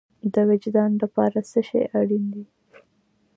د وجدان لپاره څه شی اړین دی؟